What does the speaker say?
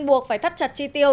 buộc phải thắt chặt chi tiêu